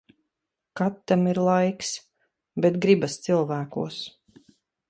Kad tam ir laiks. Bet gribas cilvēkos.